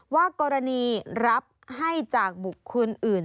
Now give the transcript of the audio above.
ว่ากรณีรับให้จากบุคคลอื่น